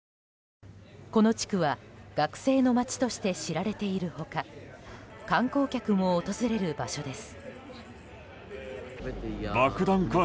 この地区は学生の街として知られている他観光客も訪れる場所です。